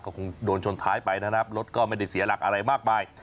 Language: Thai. ก็คงโดนชนท้ายไปนะครับรถก็ไม่ได้เสียหลักอะไรมากมาย